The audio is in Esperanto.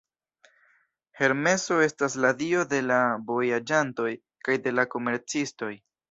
Hermeso estas la dio de la vojaĝantoj kaj de la komercistoj.